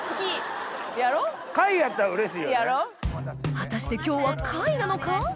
果たして今日は貝なのか？